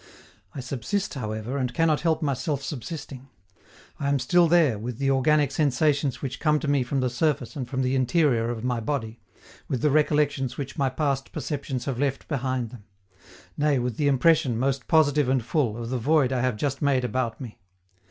I subsist, however, and cannot help myself subsisting. I am still there, with the organic sensations which come to me from the surface and from the interior of my body, with the recollections which my past perceptions have left behind them nay, with the impression, most positive and full, of the void I have just made about me.